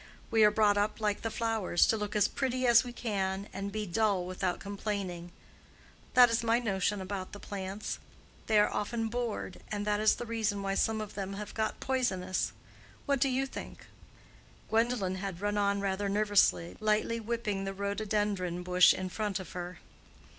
We are brought up like the flowers, to look as pretty as we can, and be dull without complaining. That is my notion about the plants; they are often bored, and that is the reason why some of them have got poisonous. What do you think?" Gwendolen had run on rather nervously, lightly whipping the rhododendron bush in front of her.